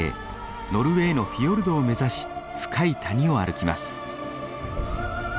ノルウェーのフィヨルドを目指し深い谷を歩きます。